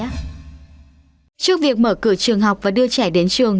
trước việc mở cửa trường học và đưa trẻ đến trường